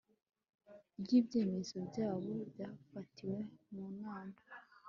ry ibyemezo byayo byafatiwe mu nama